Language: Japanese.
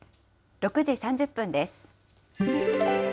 ６時３０分です。